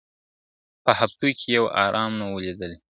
په هفتو کي یې آرام نه وو لیدلی `